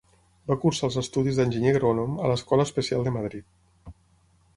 Va cursar els estudis d'enginyer agrònom a l'Escola Especial de Madrid.